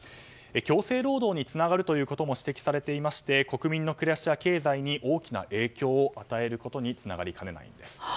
強制労働につながるということも指摘されていまして国民の暮らしや経済に大きな影響を与えることにつながりかねないんです。